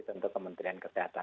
tentu kementerian kesehatan